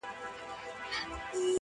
دا مه وايه چي ژوند تر مرگ ښه دی